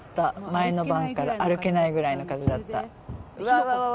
前の晩から、歩けないぐらいの風だった。